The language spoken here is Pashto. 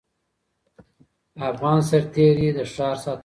افغان سرتېري د ښار ساتنه وکړه.